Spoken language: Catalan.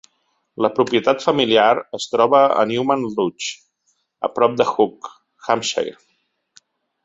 La propietat familiar es troba a Newham Lodge, a prop de Hook, Hampshire.